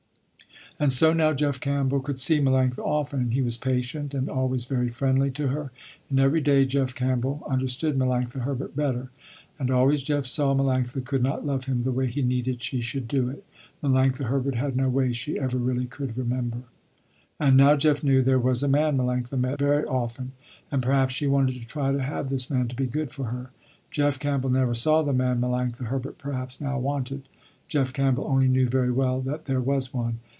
And so now Jeff Campbell could see Melanctha often, and he was patient, and always very friendly to her, and every day Jeff Campbell understood Melanctha Herbert better. And always Jeff saw Melanctha could not love him the way he needed she should do it. Melanctha Herbert had no way she ever really could remember. And now Jeff knew there was a man Melanctha met very often, and perhaps she wanted to try to have this man to be good, for her. Jeff Campbell never saw the man Melanctha Herbert perhaps now wanted. Jeff Campbell only knew very well that there was one.